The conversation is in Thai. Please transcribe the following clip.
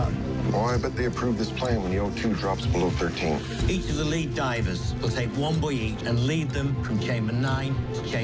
วิ่งโดยนักฐานที่จัดการเดิม๑ทีจะทิ้งให้โดยที่จุดขึ้นที่๓